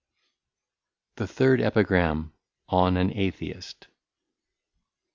The Third EPIGRAM. On an ATHEIST.